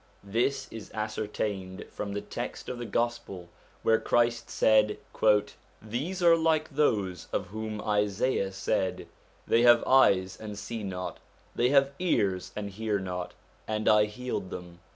This is ascertained from the text of the Gospel where Christ said: 'These are like those of whom Isaiah said, They have eyes and see not, they have ears and hear not ; and I healed them.'